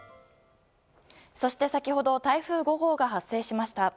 そして先ほど台風５号が発生しました。